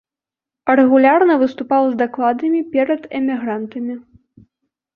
Рэгулярна выступаў з дакладамі перад эмігрантамі.